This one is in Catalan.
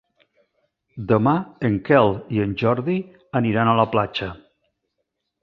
Demà en Quel i en Jordi aniran a la platja.